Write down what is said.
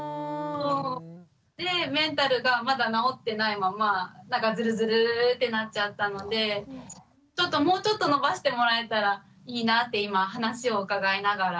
でメンタルがまだ治ってないままなんかずるずるってなっちゃったのでもうちょっとのばしてもらえたらいいなって今話を伺いながら。